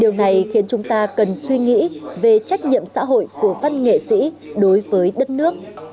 điều này khiến chúng ta cần suy nghĩ về trách nhiệm xã hội của văn nghệ sĩ đối với đất nước